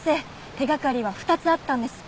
手掛かりは２つあったんです。